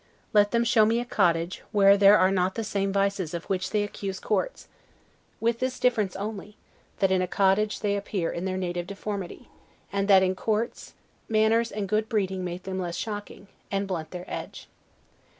Let them show me a cottage, where there are not the same vices of which they accuse courts; with this difference only, that in a cottage they appear in their native deformity, and that in courts, manners and good breeding make them less shocking, and blunt their edge.